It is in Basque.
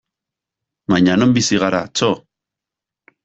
Baina non bizi gara, txo!